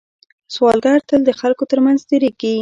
سوالګر تل د خلکو تر منځ تېرېږي